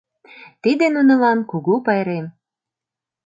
Тиде нунылан кугу пайрем.